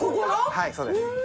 はいそうです。